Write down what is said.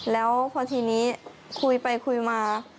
แล้วพอทีนี้คุยไปคุยมา